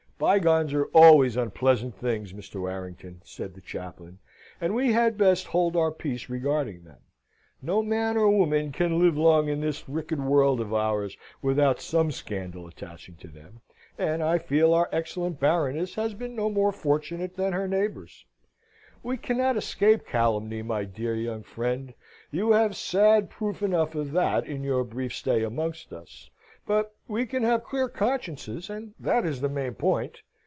"Bygones are always unpleasant things, Mr. Warrington," said the chaplain; "and we had best hold our peace regarding them. No man or woman can live long in this wicked world of ours without some scandal attaching to them, and I fear our excellent Baroness has been no more fortunate than her neighbours. We cannot escape calumny, my dear young friend! You have had sad proof enough of that in your brief stay amongst us. But we can have clear consciences, and that is the main point!"